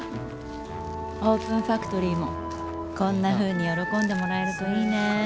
オープンファクトリーもこんなふうに喜んでもらえるといいね。